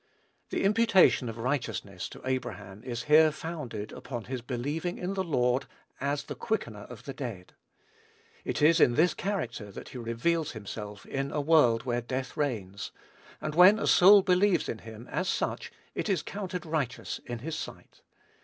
The imputation of righteousness to Abraham is here founded upon his believing in the Lord as the Quickener of the dead. It is in this character that he reveals himself in a world where death reigns; and when a soul believes in him, as such, it is counted righteous in his sight.